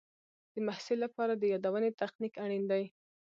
د محصل لپاره د یادونې تخنیک اړین دی.